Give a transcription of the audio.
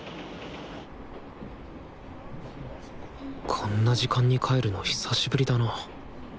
こんな時間に帰るの久しぶりだな。